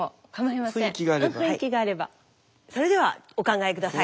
それではお考えください。